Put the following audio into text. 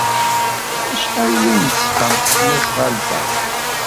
Acḥal ay awen-d-tesqam tesnasɣalt-a?